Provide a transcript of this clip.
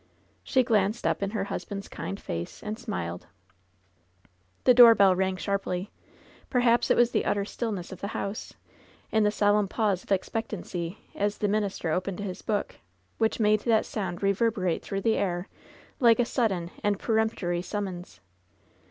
She glanced up in her husband's kind face and smiled. The doorbell rang sharply. Perhaps it was the utter stillness of the house — in the solemn pause of expect ancy, as the minister opened his book — ^which made that sound reverberate through the air like a sudden and peremptory summons.